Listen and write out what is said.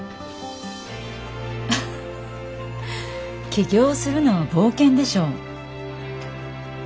起業するのは冒険でしょ。